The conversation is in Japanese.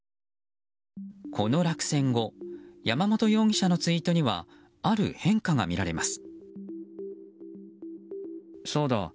この落選後山本容疑者のツイートにはある変化が見られます。